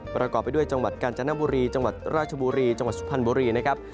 ประกอบไปด้วยจังหวัดกาญจนบุรีจังหวัดราชบุรีจังหวัดสุพรรณบุรีนะครับ